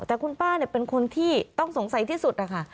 แต่คุณป้าเป็นคนที่ต้องสงสัยที่สุดนะคะ